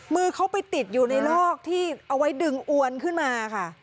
มือเขาไปติดอยู่ในลอกที่เอาไว้ดึงอวนขึ้นมาค่ะ